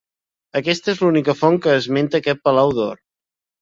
Aquesta és l'única font que esmenta aquest palau d'or.